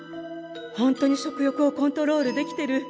ホントに食欲をコントロールできてる。